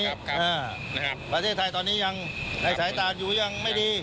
ครับครับนะครับประเทศไทยตอนนี้ยังในสายตามอยู่ยังไม่ดี